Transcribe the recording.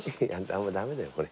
駄目だよこれ。